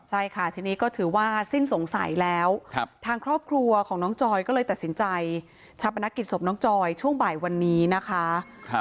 ใช่ค่ะทีนี้ก็ถือว่าสิ้นสงสัยแล้วทางครอบครัวของน้องจอยก็เลยตัดสินใจชาปนกิจศพน้องจอยช่วงบ่ายวันนี้นะคะ